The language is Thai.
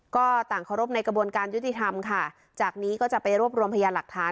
ก็ต่างเคารพในกระบวนการยุติธรรมค่ะจากนี้ก็จะไปรวบรวมพยานหลักฐาน